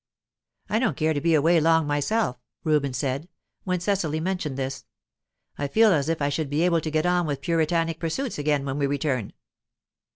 "I don't care to be away long myself," Reuben said, when Cecily mentioned this. "I feel as if I should be able to get on with my Puritanic pursuits again when we return."